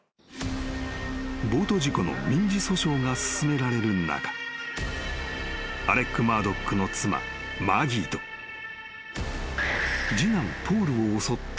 ［ボート事故の民事訴訟が進められる中アレック・マードックの妻マギーと次男ポールを襲った］